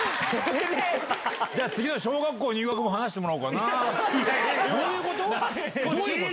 ⁉次の「小学校入学」も話してもらおうかな。